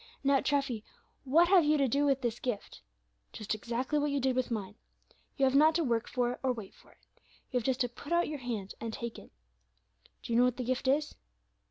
Now, Treffy, what have you to do with this gift? Just exactly what you did with mine. You have not to work for it, or wait for it. You have just to put out your hand and take it. Do you know what the gift is?"